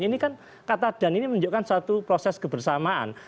ini kan kata dan ini menunjukkan satu proses kebersamaan